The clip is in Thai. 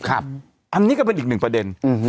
อันนี้ก็เป็นอีกหนึ่งประเด็น